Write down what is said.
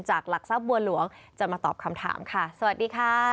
หลักทรัพย์บัวหลวงจะมาตอบคำถามค่ะสวัสดีค่ะ